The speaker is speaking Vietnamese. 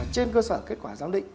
trên cơ sở kết quả giám định